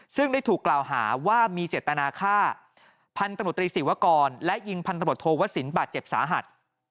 ซึ่งได้ถูกกล่าวหาว่ามีเจตนาฆ่าพันธมตรีศิวกรและยิงพันธบทโทวสินบาดเจ็บสาหัส